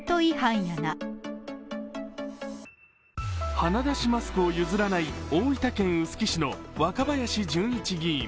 鼻出しマスクを譲らない大分県臼杵市のを若林純一議員。